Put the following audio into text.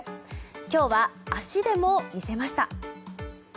今日は足でも見せました。